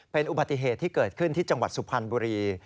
เป็นอุบัติเหตุที่เกิดขึ้นที่จังหวัดสุพรรณบุรี